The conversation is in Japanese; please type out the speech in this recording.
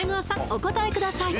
お答えください